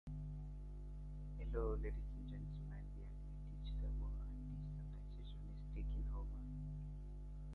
Some of these passes are found in boxes, secret passages or can be bought.